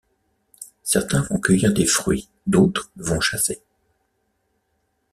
Certains vont cueillir des fruits, d'autres vont chasser.